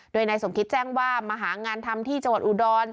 โดยนายสมคิดแจ้งว่ามาหางานทำที่จอุดรณฑานี